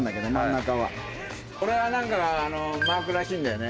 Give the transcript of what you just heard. これは何かマークらしいんだよね。